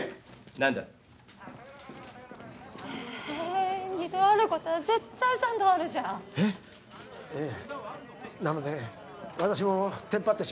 ・何だ？え二度あることは絶対三度あるじゃん。えっええなので私もテンパってしまって。